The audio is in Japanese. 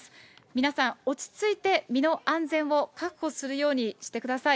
皆さん、落ち着いて身の安全を確保するようにしてください。